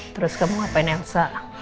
terus kamu ngapain elsa